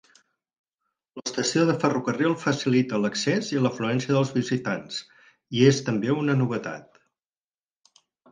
L'estació de ferrocarril facilita l'accés i l'afluència dels visitants i és també una novetat.